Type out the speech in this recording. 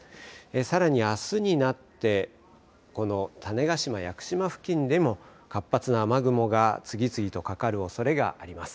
さらにあすになって種子島、屋久島付近でも活発な雨雲が次々とかかるおそれがあります。